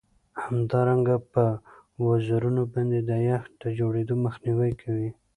همدارنګه په وزرونو باندې د یخ د جوړیدو مخنیوی کوي